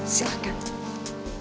mas aku mau pergi